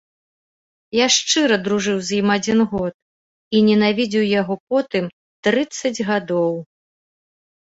Я шчыра дружыў з ім адзін год і ненавідзеў яго потым трыццаць гадоў.